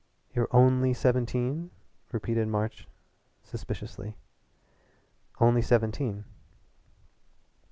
"You're only seventeen?" repeated March suspiciously. "Only seventeen."